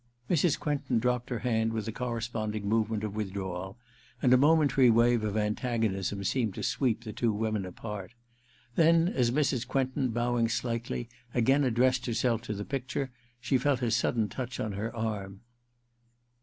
Mrs. Quentin dropped her hand with a corresponding movement of withdrawal, and a momentary wave of antagonism seemed to 302 THE QUICKSAND in sweep the two women apart. Then, as Mrs. Quentin, bowing slightly, again addressed her self to the picture, she felt a sudden touch on her arm.